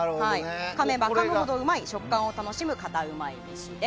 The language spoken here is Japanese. かめばかむほどうまい食感を楽しむカタうまい飯です。